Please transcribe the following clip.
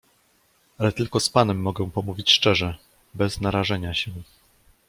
"Ale tylko z panem mogę pomówić szczerze, bez narażenia się."